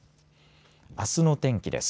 あすの天気です。